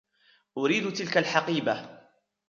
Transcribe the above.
أريد تلك الحقيبة.